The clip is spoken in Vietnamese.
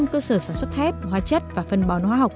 bảy mươi cơ sở sản xuất thép hóa chất và phân bón hóa học